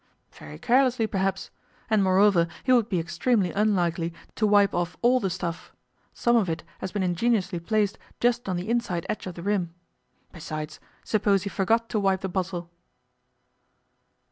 'Very carelessly, perhaps. And moreover he would be extremely unlikely to wipe off all the stuff; some of it has been ingeniously placed just on the inside edge of the rim. Besides, suppose he forgot to wipe the bottle?